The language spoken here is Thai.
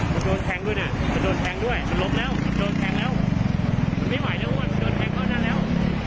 มันโดนแทงด้วยน่ะมันโดนแทงด้วยมันลบแล้วมันโดนแทงแล้ว